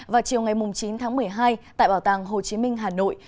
vào chiều ngày chín tháng một mươi hai tại bảo tàng hồ chí minh hà nội